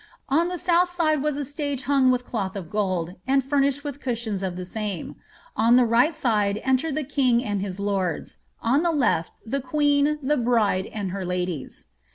On the south side was a stage hung with cloth of gold, and fur nished with cushions of the same ; on the right side entered the king and his lords \ on the lef\ the queen, the bride, and their ladies.